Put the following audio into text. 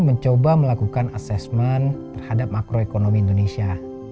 dan mencoba melakukan asesmen terhadap makroekonomi indonesia